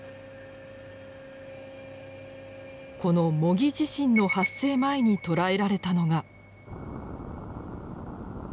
この模擬地震の発生前に捉えられたのが。